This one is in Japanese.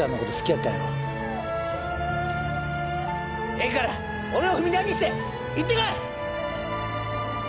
ええから俺を踏み台にして行ってこい！